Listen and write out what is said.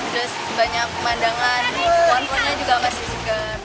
terus banyak pemandangan warnanya juga masih segar